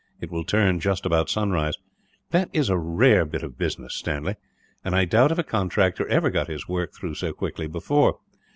It will turn just about sunrise. That is a rare bit of business, Stanley; and I doubt if a contractor ever got his work through so quickly, before.